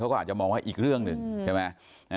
เขาก็อาจจะมองว่าอีกเรื่องหนึ่งใช่ไหม